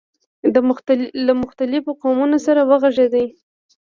له مختلفو قومونو سره وغږېد.